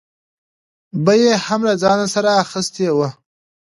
به یې هم له ځان سره اخیستې وه.